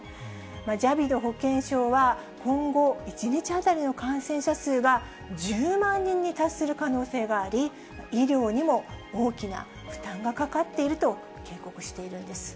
ジャビド保健相は、今後、１日当たりの感染者数が１０万人に達する可能性があり、医療にも大きな負担がかかっていると警告しているんです。